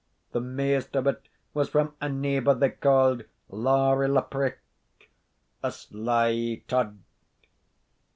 The maist of it was from a neighbour they caa'd Laurie Lapraik a sly tod.